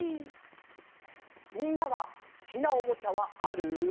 みんなはすきなおもちゃはある？